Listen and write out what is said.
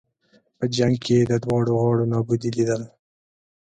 په جنګ کې یې د دواړو غاړو نابودي لېدله.